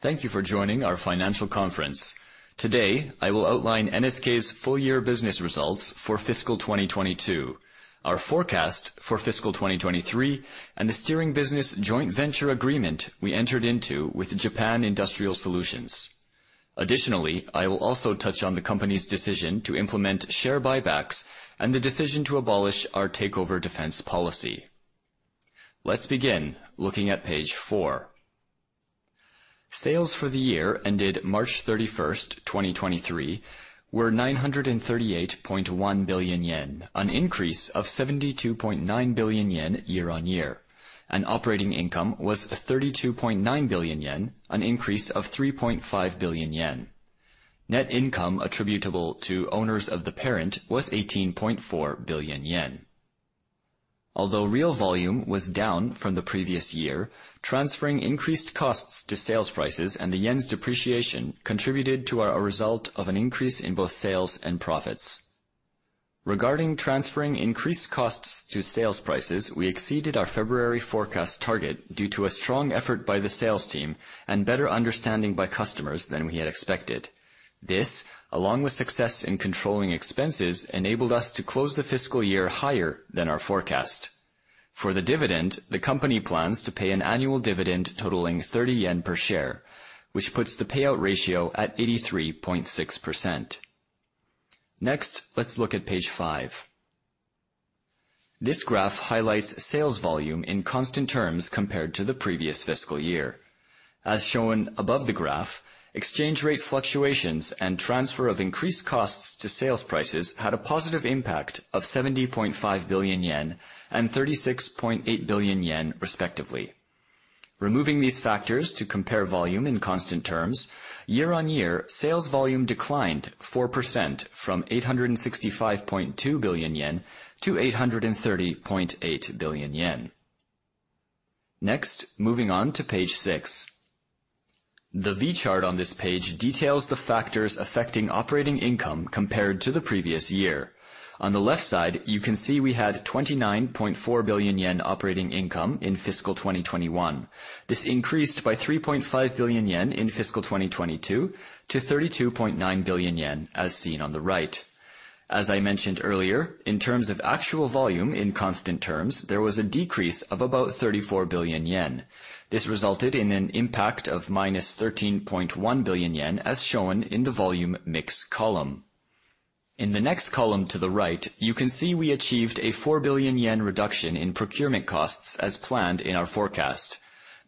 Thank you for joining our financial conference. Today, I will outline NSK's full-year business results for fiscal 2022, our forecast for fiscal 2023, and the steering business joint venture agreement we entered into with Japan Industrial Solutions. Additionally, I will also touch on the company's decision to implement share buybacks and the decision to abolish our takeover defense policy. Let's begin looking at page four. Sales for the year ended March 31, 2023 were 938.1 billion yen, an increase of 72.9 billion yen year-on-year. Operating income was 32.9 billion yen, an increase of 3.5 billion yen. Net income attributable to owners of the parent was 18.4 billion yen. Although real volume was down from the previous year, transferring increased costs to sales prices and the Yen's depreciation contributed to a result of an increase in both sales and profits. Regarding transferring increased costs to sales prices, we exceeded our February forecast target due to a strong effort by the sales team and better understanding by customers than we had expected. This, along with success in controlling expenses, enabled us to close the fiscal year higher than our forecast. For the dividend, the company plans to pay an annual dividend totaling 30 yen per share, which puts the payout ratio at 83.6%. Next, let's look at page five. This graph highlights sales volume in constant terms compared to the previous fiscal year. As shown above the graph, exchange rate fluctuations and transfer of increased costs to sales prices had a positive impact of 70.5 billion yen and 36.8 billion yen, respectively. Removing these factors to compare volume in constant terms, year-on-year sales volume declined 4% from 865.2 billion yen to 830.8 billion yen. Moving on to page six. The V chart on this page details the factors affecting operating income compared to the previous year. On the left side, you can see we had 29.4 billion yen operating income in fiscal 2021. This increased by 3.5 billion yen in fiscal 2022 to 32.9 billion yen, as seen on the right. As I mentioned earlier, in terms of actual volume in constant terms, there was a decrease of about 34 billion yen. This resulted in an impact of -13.1 billion yen, as shown in the volume mix column. In the next column to the right, you can see we achieved a 4 billion yen reduction in procurement costs as planned in our forecast.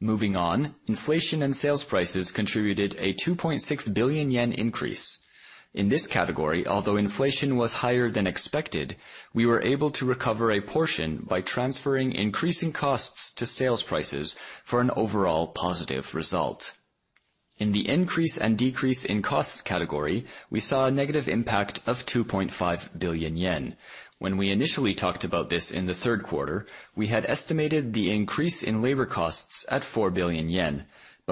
Inflation and sales prices contributed a 2.6 billion yen increase. In this category, although inflation was higher than expected, we were able to recover a portion by transferring increasing costs to sales prices for an overall positive result. In the increase and decrease in costs category, we saw a negative impact of 2.5 billion yen. When we initially talked about this in the third quarter, we had estimated the increase in labor costs at 4 billion yen.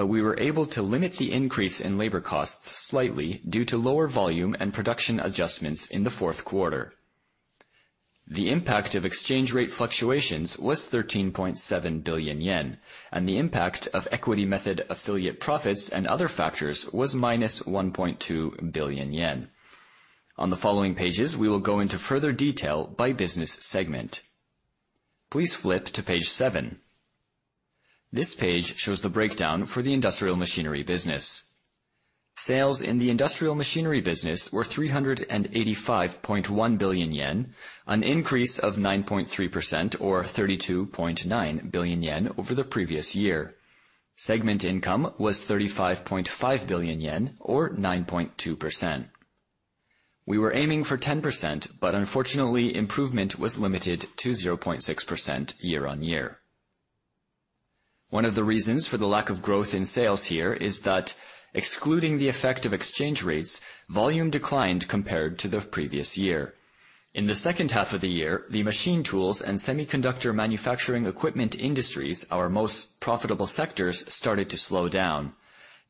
We were able to limit the increase in labor costs slightly due to lower volume and production adjustments in the fourth quarter. The impact of exchange rate fluctuations was 13.7 billion yen. The impact of equity method affiliate profits and other factors was -1.2 billion yen. On the following pages, we will go into further detail by business segment. Please flip to page seven. This page shows the breakdown for the industrial machinery business. Sales in the industrial machinery business were 385.1 billion yen, an increase of 9.3% or 32.9 billion yen over the previous year. Segment income was 35.5 billion yen or 9.2%. We were aiming for 10%, but unfortunately, improvement was limited to 0.6% year-on-year. One of the reasons for the lack of growth in sales here is that excluding the effect of exchange rates, volume declined compared to the previous year. In the second half of the year, the machine tools and semiconductor manufacturing equipment industries, our most profitable sectors, started to slow down.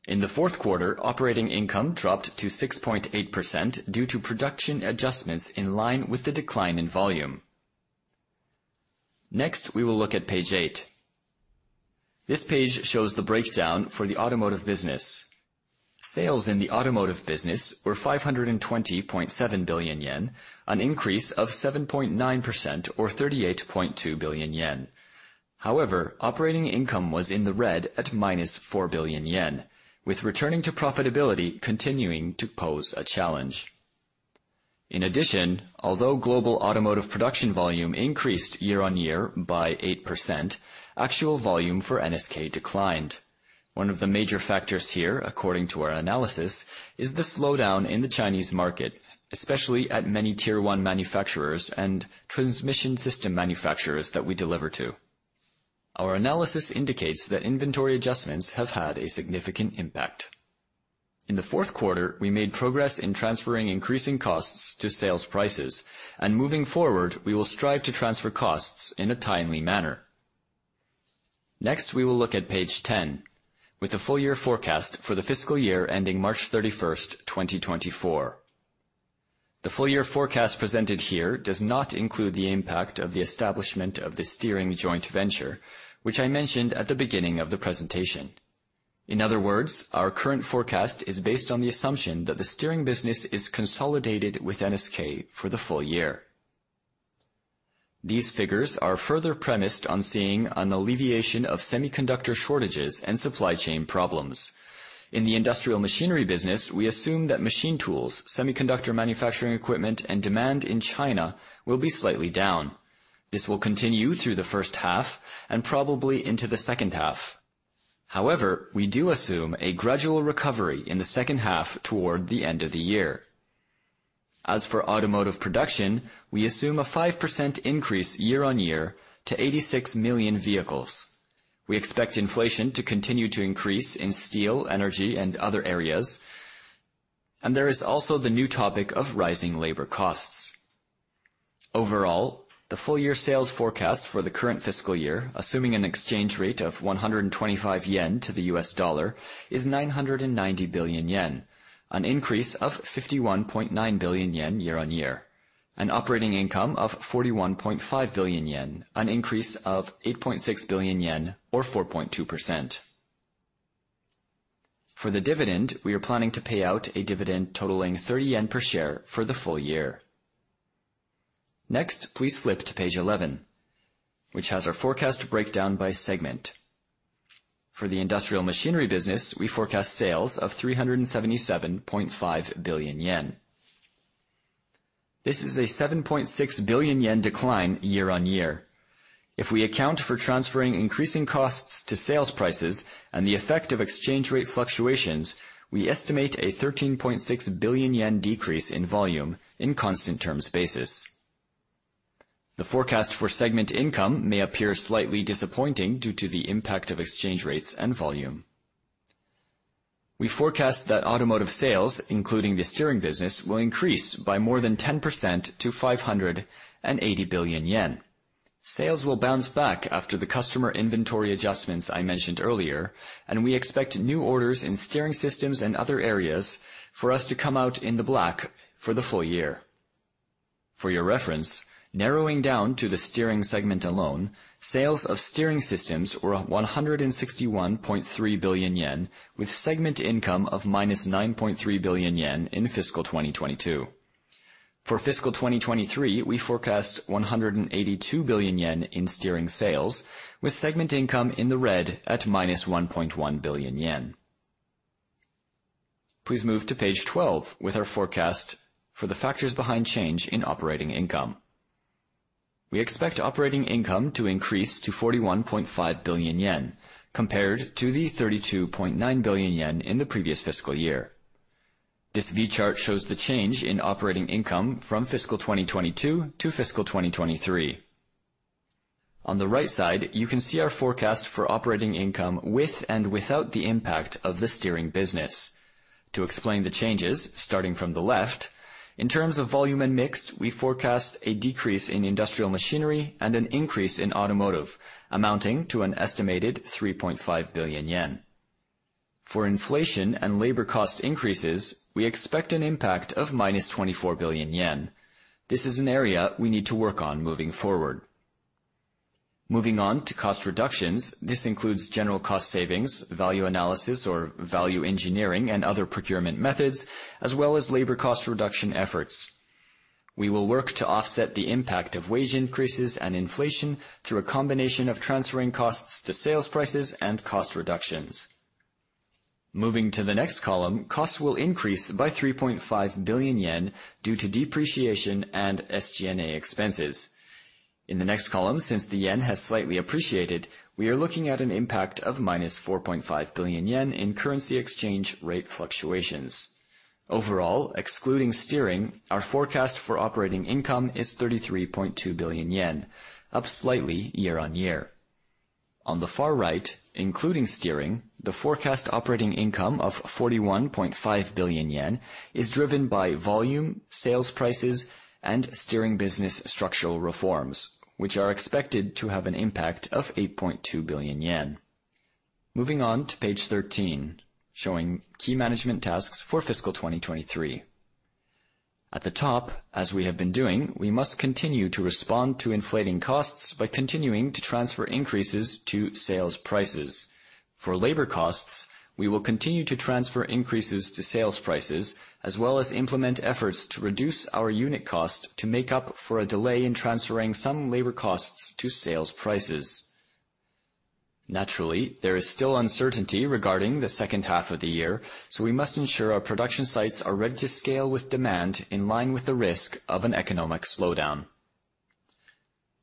In the fourth quarter, operating income dropped to 6.8% due to production adjustments in line with the decline in volume. We will look at page eight. This page shows the breakdown for the automotive business. Sales in the automotive business were 520.7 billion yen, an increase of 7.9% or 38.2 billion yen. However, operating income was in the red at minus 4 billion yen, with returning to profitability continuing to pose a challenge. In addition, although global automotive production volume increased year-on-year by 8%, actual volume for NSK declined. One of the major factors here, according to our analysis, is the slowdown in the Chinese market, especially at many Tier 1 manufacturers and transmission system manufacturers that we deliver to. Our analysis indicates that inventory adjustments have had a significant impact. In the fourth quarter, we made progress in transferring increasing costs to sales prices, and moving forward, we will strive to transfer costs in a timely manner. Next, we will look at page 10 with the full-year forecast for the fiscal year ending March 31st, 2024. The full year forecast presented here does not include the impact of the establishment of the steering joint venture, which I mentioned at the beginning of the presentation. In other words, our current forecast is based on the assumption that the steering business is consolidated with NSK for the full year. These figures are further premised on seeing an alleviation of semiconductor shortages and supply chain problems. In the industrial machinery business, we assume that machine tools, semiconductor manufacturing equipment, and demand in China will be slightly down. This will continue through the first half and probably into the second half. We do assume a gradual recovery in the second half toward the end of the year. As for automotive production, we assume a 5% increase year-on-year to 86 million vehicles. We expect inflation to continue to increase in steel, energy, and other areas. There is also the new topic of rising labor costs. Overall, the full year sales forecast for the current fiscal year, assuming an exchange rate of 125 yen to the U.S. dollar, is 990 billion yen, an increase of 51.9 billion yen year-on-year. An operating income of 41.5 billion yen, an increase of 8.6 billion yen, or 4.2%. For the dividend, we are planning to pay out a dividend totaling 30 yen per share for the full year. Next, please flip to page 11, which has our forecast breakdown by segment. For the industrial machinery business, we forecast sales of 377.5 billion yen. This is a 7.6 billion yen decline year-on-year. If we account for transferring increasing costs to sales prices and the effect of exchange rate fluctuations, we estimate a 13.6 billion yen decrease in volume in constant terms basis. The forecast for segment income may appear slightly disappointing due to the impact of exchange rates and volume. We forecast that automotive sales, including the steering business, will increase by more than 10% to 580 billion yen. Sales will bounce back after the customer inventory adjustments I mentioned earlier, and we expect new orders in steering systems and other areas for us to come out in the black for the full year. For your reference, narrowing down to the steering segment alone, sales of steering systems were 161.3 billion yen, with segment income of -9.3 billion yen in fiscal 2022. For fiscal 2023, we forecast 182 billion yen in steering sales, with segment income in the red at -1.1 billion yen. Please move to page 12 with our forecast for the factors behind change in operating income. We expect operating income to increase to 41.5 billion yen compared to the 32.9 billion yen in the previous fiscal year. This V chart shows the change in operating income from fiscal 2022 to fiscal 2023. On the right side, you can see our forecast for operating income with and without the impact of the steering business. To explain the changes, starting from the left, in terms of volume and mix, we forecast a decrease in industrial machinery and an increase in automotive amounting to an estimated 3.5 billion yen. For inflation and labor cost increases, we expect an impact of minus 24 billion yen. This is an area we need to work on moving forward. Moving on to cost reductions. This includes general cost savings, value analysis or value engineering and other procurement methods, as well as labor cost reduction efforts. We will work to offset the impact of wage increases and inflation through a combination of transferring costs to sales prices and cost reductions. Moving to the next column, costs will increase by 3.5 billion yen due to depreciation and SG&A expenses. In the next column, since the yen has slightly appreciated, we are looking at an impact of -4.5 billion yen in currency exchange rate fluctuations. Overall, excluding steering, our forecast for operating income is 33.2 billion yen, up slightly year-on-year. On the far right, including steering, the forecast operating income of 41.5 billion yen is driven by volume, sales prices, and steering business structural reforms, which are expected to have an impact of 8.2 billion yen. Moving on to page 13, showing key management tasks for fiscal 2023. At the top, as we have been doing, we must continue to respond to inflating costs by continuing to transfer increases to sales prices. For labor costs, we will continue to transfer increases to sales prices, as well as implement efforts to reduce our unit cost to make up for a delay in transferring some labor costs to sales prices. There is still uncertainty regarding the second half of the year, so we must ensure our production sites are ready to scale with demand in line with the risk of an economic slowdown.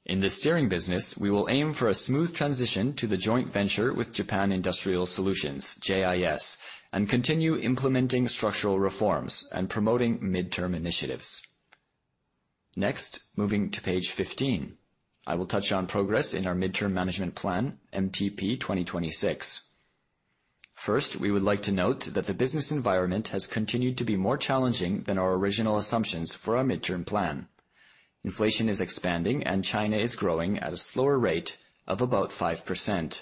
In the steering business, we will aim for a smooth transition to the joint venture with Japan Industrial Solutions, JIS, and continue implementing structural reforms and promoting midterm initiatives. Moving to page 15, I will touch on progress in our midterm management plan, MTP2026. We would like to note that the business environment has continued to be more challenging than our original assumptions for our midterm plan. Inflation is expanding. China is growing at a slower rate of about 5%.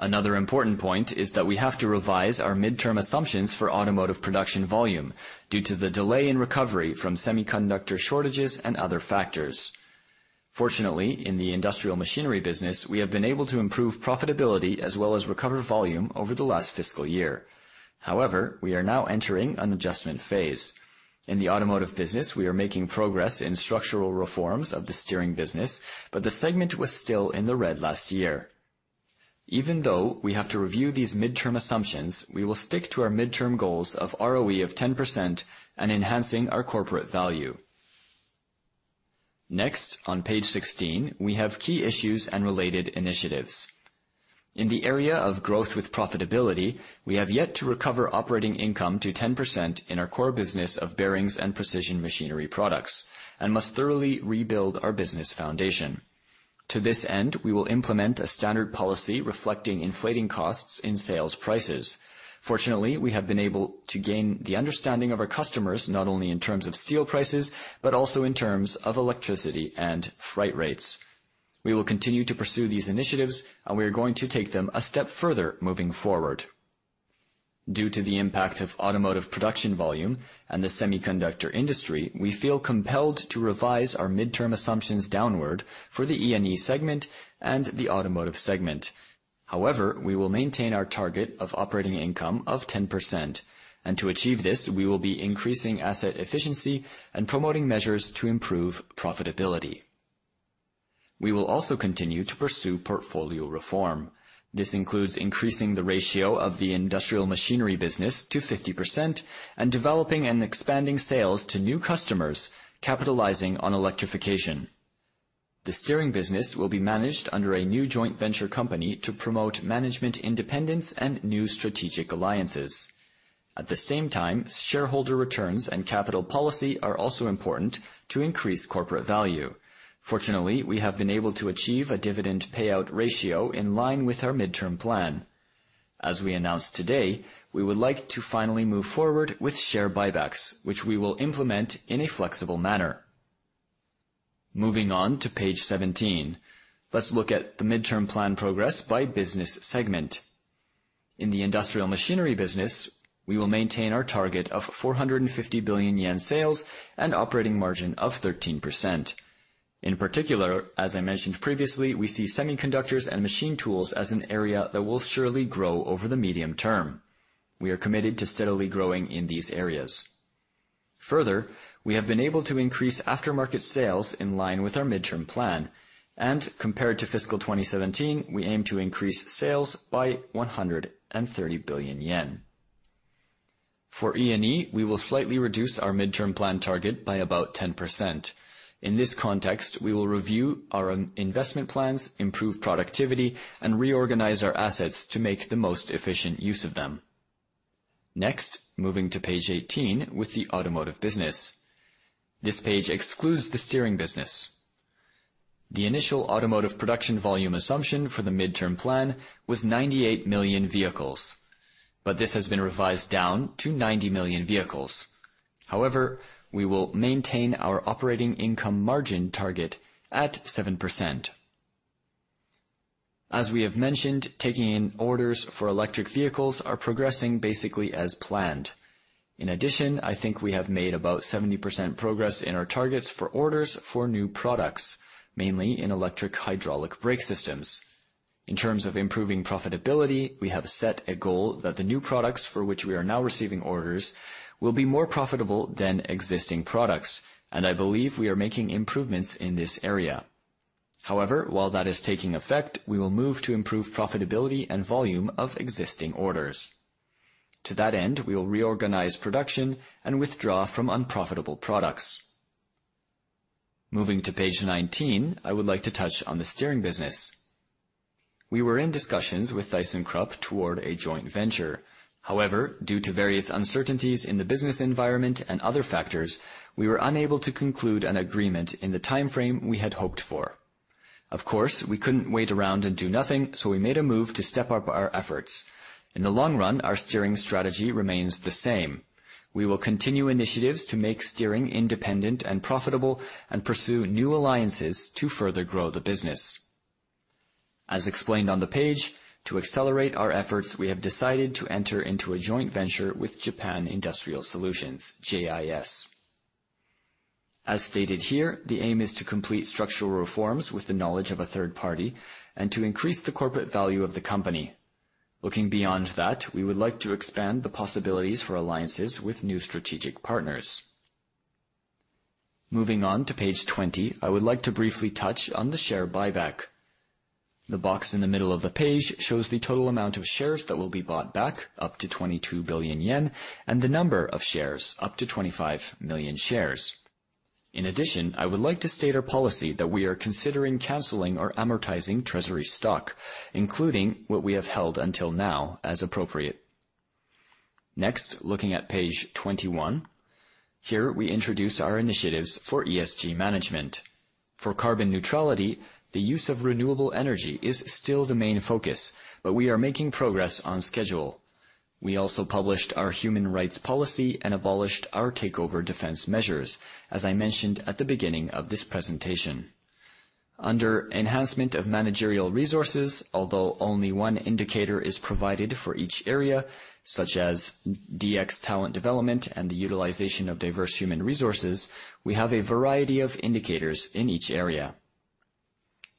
Another important point is that we have to revise our midterm assumptions for automotive production volume due to the delay in recovery from semiconductor shortages and other factors. Fortunately, in the industrial machinery business, we have been able to improve profitability as well as recover volume over the last fiscal year. We are now entering an adjustment phase. In the automotive business, we are making progress in structural reforms of the steering business, but the segment was still in the red last year. Even though we have to review these midterm assumptions, we will stick to our midterm goals of ROE of 10% and enhancing our corporate value. On page 16, we have key issues and related initiatives. In the area of growth with profitability, we have yet to recover operating income to 10% in our core business of bearings and precision machinery products, and must thoroughly rebuild our business foundation. To this end, we will implement a standard policy reflecting inflating costs in sales prices. Fortunately, we have been able to gain the understanding of our customers, not only in terms of steel prices, but also in terms of electricity and freight rates. We will continue to pursue these initiatives and we are going to take them a step further moving forward. Due to the impact of automotive production volume and the semiconductor industry, we feel compelled to revise our midterm assumptions downward for the E&E segment and the automotive segment. However, we will maintain our target of operating income of 10%, and to achieve this, we will be increasing asset efficiency and promoting measures to improve profitability. We will also continue to pursue portfolio reform. This includes increasing the ratio of the industrial machinery business to 50% and developing and expanding sales to new customers capitalizing on electrification. The steering business will be managed under a new joint venture company to promote management independence and new strategic alliances. At the same time, shareholder returns and capital policy are also important to increase corporate value. Fortunately, we have been able to achieve a dividend payout ratio in line with our midterm plan. As we announced today, we would like to finally move forward with share buybacks, which we will implement in a flexible manner. Moving on to page 17, let's look at the midterm plan progress by business segment. In the industrial machinery business, we will maintain our target of 450 billion yen sales and operating margin of 13%. In particular, as I mentioned previously, we see semiconductors and machine tools as an area that will surely grow over the medium term. We are committed to steadily growing in these areas. We have been able to increase aftermarket sales in line with our Midterm Plan. Compared to fiscal 2017, we aim to increase sales by 130 billion yen. For E&E, we will slightly reduce our Midterm Plan target by about 10%. In this context, we will review our investment plans, improve productivity, and reorganize our assets to make the most efficient use of them. Moving to page 18 with the automotive business. This page excludes the steering business. The initial automotive production volume assumption for the midterm plan was 98 million vehicles, this has been revised down to 90 million vehicles. We will maintain our operating income margin target at 7%. As we have mentioned, taking in orders for electric vehicles are progressing basically as planned. I think we have made about 70% progress in our targets for orders for new products, mainly in electric-hydraulic brake systems. In terms of improving profitability, we have set a goal that the new products for which we are now receiving orders will be more profitable than existing products, I believe we are making improvements in this area. While that is taking effect, we will move to improve profitability and volume of existing orders. To that end, we will reorganize production and withdraw from unprofitable products. Moving to page 19, I would like to touch on the steering business. We were in discussions with Thyssenkrupp toward a joint venture. However, due to various uncertainties in the business environment and other factors, we were unable to conclude an agreement in the timeframe we had hoped for. Of course, we couldn't wait around and do nothing, so we made a move to step up our efforts. In the long run, our steering strategy remains the same. We will continue initiatives to make steering independent and profitable and pursue new alliances to further grow the business. As explained on the page, to accelerate our efforts, we have decided to enter into a joint venture with Japan Industrial Solutions, JIS. As stated here, the aim is to complete structural reforms with the knowledge of a third party and to increase the corporate value of the company. Looking beyond that, we would like to expand the possibilities for alliances with new strategic partners. Moving on to page 20, I would like to briefly touch on the share buyback. The box in the middle of the page shows the total amount of shares that will be bought back, up to 22 billion yen, and the number of shares up to 25 million shares. I would like to state our policy that we are considering canceling or amortizing treasury stock, including what we have held until now as appropriate. Looking at page 21. Here, we introduce our initiatives for ESG management. For carbon neutrality, the use of renewable energy is still the main focus, but we are making progress on schedule. We also published our human rights policy and abolished our takeover defense measures, as I mentioned at the beginning of this presentation. Under enhancement of managerial resources, although only one indicator is provided for each area, such as DX talent development and the utilization of diverse human resources, we have a variety of indicators in each area.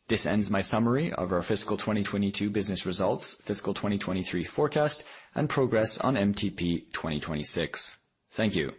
This ends my summary of our fiscal 2022 business results, fiscal 2023 forecast, and progress on MTP2026. Thank you.